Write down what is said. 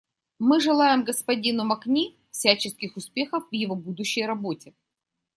Мы желаем господину Макни всяческих успехов в его будущей работе.